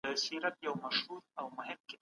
نن د ښــكــلا پـــر پـاڼـه